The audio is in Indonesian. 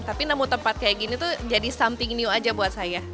tapi nemu tempat kayak gini tuh jadi something new aja buat saya